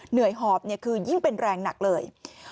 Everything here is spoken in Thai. เหนื่อยหอบคือยิ่งเป็นแรงหนักเลย